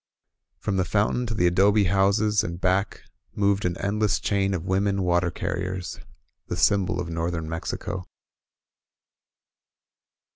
From the foun tain to the adobe houses and back moved an endless chain of women water carriers, — the symbol of north ern Mexico.